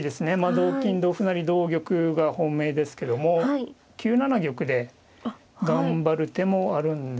同金同歩成同玉が本命ですけども９七玉で頑張る手もあるんですよね。